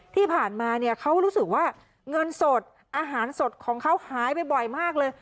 ที่ผ่านมาเนี่ยเขารู้สึกว่าเงินสดอาหารสดของเขาหายไปบ่อยมากเลย